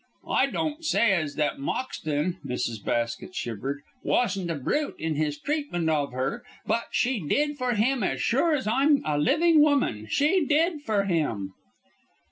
I don't say as that Moxton," Mrs. Basket shivered, "wasn't a brute in his treatment of her, but she did for him as sure as I'm a living woman. She did for him."